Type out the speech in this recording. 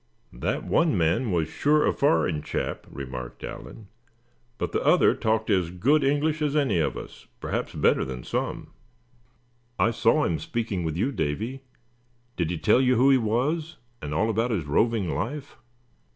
"That one man was sure a foreign chap," remarked Allan; "but the other talked as good English as any of us, perhaps better than some. I saw him speaking with you, Davy; did he tell you who he was, and all about his roving life?"